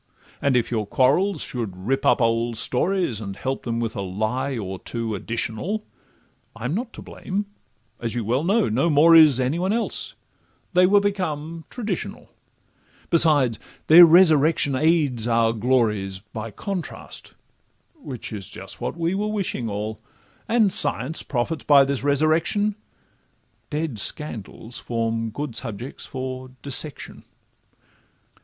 And if your quarrels should rip up old stories, And help them with a lie or two additional, I'm not to blame, as you well know—no more is Any one else—they were become traditional; Besides, their resurrection aids our glories By contrast, which is what we just were wishing all: And science profits by this resurrection— Dead scandals form good subjects for dissection.